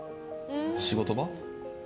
仕事場？